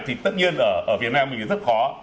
thì tất nhiên ở việt nam mình rất khó